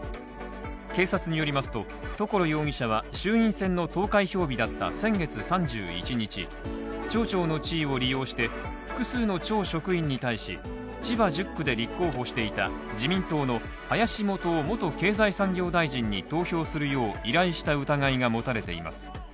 警察によりますと、所容疑者は、衆院選の投開票日だった先月３１日町長の地位を利用して、複数の町職員に対し、千葉１０区で立候補していた自民党の林幹雄元経済産業大臣に投票するよう依頼した疑いが持たれています。